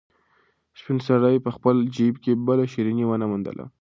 سپین سرې په خپل جېب کې بله شيرني ونه موندله.